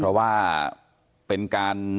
เพราะว่าเป็นการ